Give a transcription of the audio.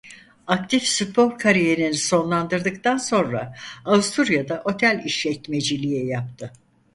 Aktif spor kariyerini sonlandırdıktan sonra Avusturya'da otel işletmeciliği yaptı.